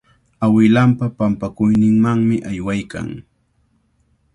Awilanpa pampakuyninmanmi aywaykan.